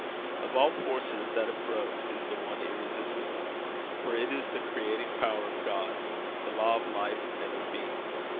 Of all forces, that of growth is the one irresistible, for it is the creating power of God, the law of life and of being.